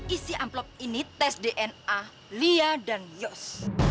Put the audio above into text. isi amplop ini tes dna lia dan yos